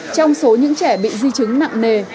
trong số những trẻ bị di chứng nặng nề